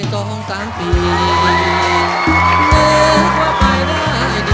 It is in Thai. ขอบคุณมากด้วยนะครับ